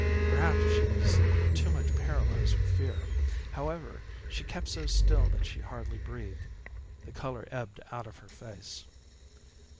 Perhaps she was too much paralyzed with fear. However, she kept so still that she hardly breathed. The color ebbed out of her face.